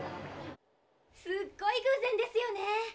すっごいぐう然ですよね。